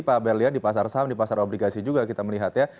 pak berlian di pasar saham di pasar obligasi juga kita melihat ya